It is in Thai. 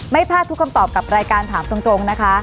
ไม่พลาดทุกคำตอบกับรายการถามตรงนะคะ